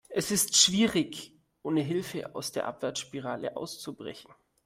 Es ist schwierig, ohne Hilfe aus der Abwärtsspirale auszubrechen.